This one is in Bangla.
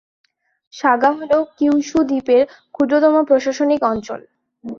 সাগা হল কিউশু দ্বীপের ক্ষুদ্রতম প্রশাসনিক অঞ্চল।